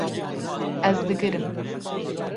Ez digirim